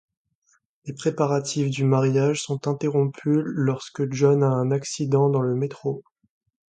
Les préparatifs du mariage sont interrompus lorsque John a un accident dans le métro.